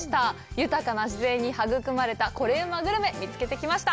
豊かな自然に育まれたコレうまグルメ、見つけてきました。